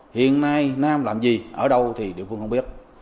hiện nay nam làm gì ở đâu thì địa phương không biết